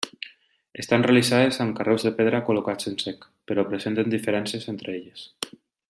Estan realitzades amb carreus de pedra col·locats en sec, però presenten diferències entre elles.